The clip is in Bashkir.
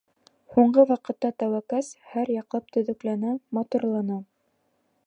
Һуңғы ваҡытта Тәүәкәс һәр яҡлап төҙөкләнә, матурлана.